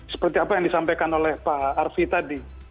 seperti apa yang disampaikan oleh pak arfi tadi